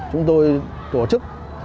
chúng tôi tổ chức